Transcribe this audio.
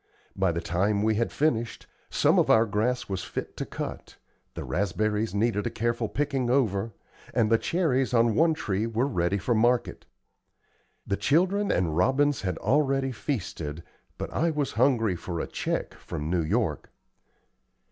By the time we had finished, some of our grass was fit to cut, the raspberries needed a careful picking over, and the cherries on one tree were ready for market. The children and robins had already feasted, but I was hungry for a check from New York.